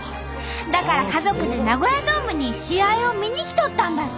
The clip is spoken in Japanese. だから家族でナゴヤドームに試合を見に来とったんだって！